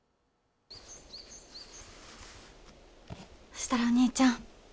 そしたらお兄ちゃん。